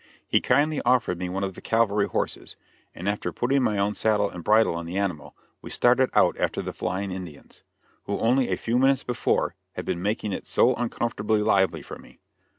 He kindly offered me one of the cavalry horses, and after putting my own saddle and bridle on the animal, we started out after the flying Indians, who only a few minutes before had been making it so uncomfortably lively for me.